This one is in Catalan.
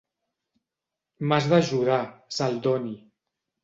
M'has d'ajudar, Celdoni.